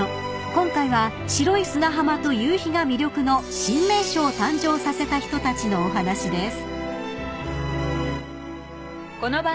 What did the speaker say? ［今回は白い砂浜と夕日が魅力の新名所を誕生させた人たちのお話です］